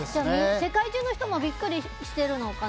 世界中の人もビックリしてるのかな。